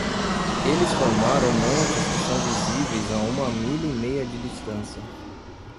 Eles formaram montes que são visíveis a uma milha e meia de distância.